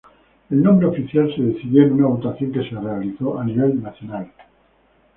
El nombre oficial se decidió en una votación que se realizó a nivel nacional.